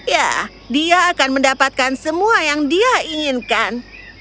ya dia akan mendapatkan semua yang dia inginkan